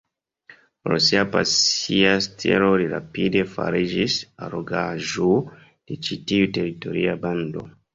Pro sia pasia stilo li rapide fariĝis allogaĵo de ĉi tiu teritoria bando.